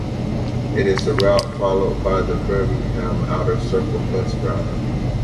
It is the route followed by the Birmingham Outer Circle bus route.